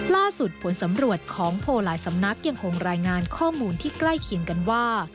ผลสำรวจของโพลหลายสำนักยังคงรายงานข้อมูลที่ใกล้เคียงกันว่า